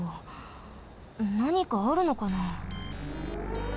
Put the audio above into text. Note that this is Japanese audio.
なにかあるのかな？